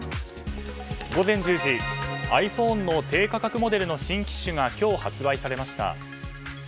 午前１０時ｉＰｈｏｎｅの低価格モデルの新機種が今日発売されました。